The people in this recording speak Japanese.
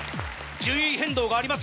順位変動があります